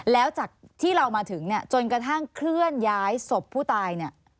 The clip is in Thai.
แล้วจากที่เรามาถึงจนกระทั่งเคลื่อนย้ายศพผู้ตาย